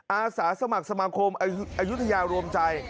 อาสาสมัครสมาคมอายุทยารวมใจ